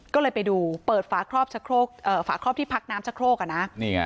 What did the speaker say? ก็เลยไปดูเปิดฝาครอบที่พักน้ำชะโครกอ่ะนะ